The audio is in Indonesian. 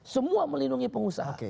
semua melindungi pengusaha